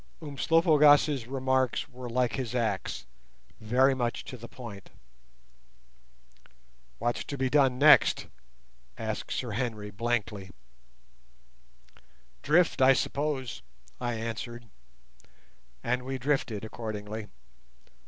Umslopogaas' remarks were like his axe—very much to the point. "What's to be done next?" said Sir Henry blankly. "Drift, I suppose," I answered, and we drifted accordingly.